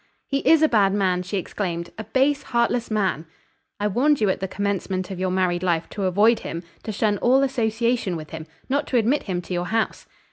"He is a bad man!" she exclaimed. "A base, heartless man!" "I warned you at the commencement of your married life to avoid him; to shun all association with him; not to admit him to your house."